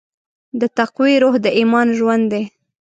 د تقوی روح د ایمان ژوند دی.